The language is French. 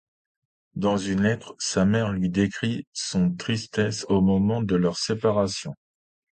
Dans une lettre, sa mère lui décrit son tristesse au moment de leur séparation.